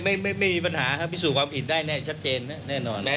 ไม่ไม่มีปัญหาครับพิสูจนความผิดได้แน่ชัดเจนแน่นอนนะ